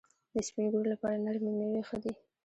د سپین ږیرو لپاره نرمې میوې ښې دي.